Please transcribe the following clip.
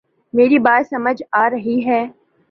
میری بات سمجھ آ رہی ہے